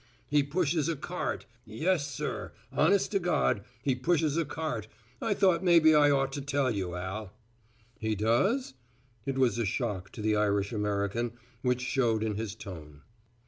"He pushes a cart yes, sir honest to God, he pushes a cart I thought maybe I ought to tell you, Al." "He does?" It was a shock to the Irish American, which showed in his tone.